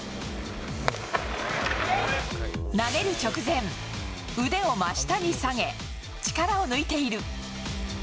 投げる直前腕を真下に下げ、力を抜いている。